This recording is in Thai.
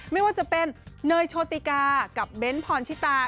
ไม่ว่าจะเป็นเนยโชติกากับเบ้นพรชิตา